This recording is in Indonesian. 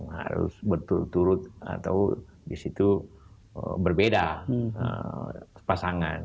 harus berturut turut atau di situ berbeda pasangan